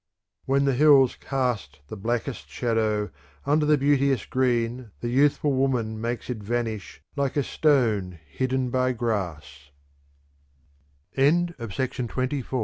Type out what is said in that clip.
When the hills cast the blackest shadow, under the beauteous green the youthful woman makes it vanish like a stone hidden by gra